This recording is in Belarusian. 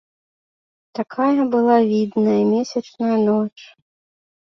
Такая была відная, месячная ноч.